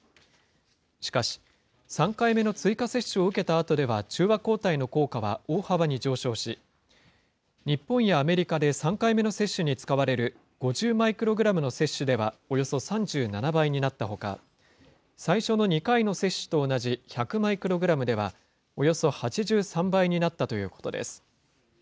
しかし、３回目の追加接種を受けたあとでは中和抗体の効果は大幅に上昇し、日本やアメリカで３回目の接種に使われる５０マイクログラムの接種ではおよそ３７倍になったほか、最初の２回の接種と同じ１００マイクログラムではおよそ８３倍になったということです。